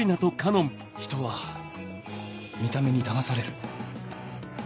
人は見た目にだまされる。